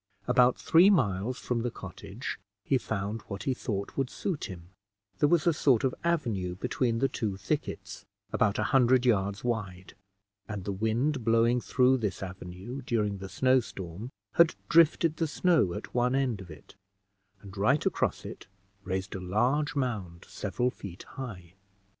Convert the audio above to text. About three miles from the cottage, he found what he thought would suit him; there was a sort of avenue between the two thickets, about a hundred yards wide; and the wind blowing through this avenue, during the snow storm, had drifted the snow at one end of it, and right across it raised a large mound several feet high.